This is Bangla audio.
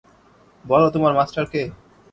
বলো তোমার মাস্টার কে?